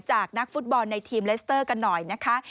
นักฟุตบอลในทีมเลสเตอร์กันหน่อยนะคะ